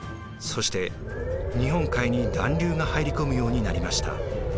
そして日本海に暖流が入り込むようになりました。